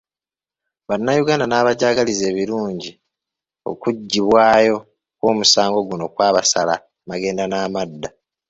Bannayuganda n'abajagaliza ebirungi okuggibwayo kw'omusango guno kwabasala amagenda n'amadda.